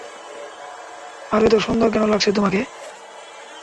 আর, এতো সুন্দর কেন লাগছে তোমাকে?